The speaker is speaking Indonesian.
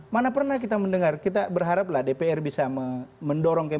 mana pernah kita mendengar kita berharap lah dpr bisa mendorong cambridge tech dikti melakukan itu